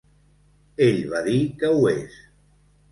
Ell va dir que ho és.